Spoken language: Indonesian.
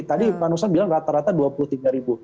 tadi pak nusron bilang rata rata rp dua puluh tiga